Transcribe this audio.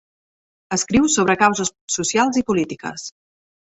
Escriu sobre causes socials i polítiques.